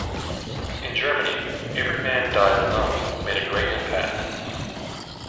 In Germany, "Every Man Dies Alone" made a great impact.